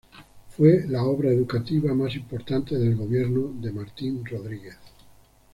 Fue la obra educativa más importante del gobierno de Martín Rodríguez.